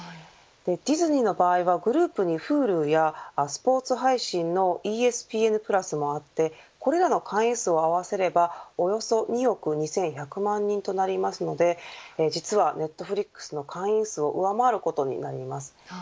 ディズニーの場合はグループにＨｕｌｕやスポーツ配信のＥＳＰＮプラスもあってこれらの会員数を合わせればおよそ２億２１００万人となりますので実はネットフリックスの会員数を上回ることになります。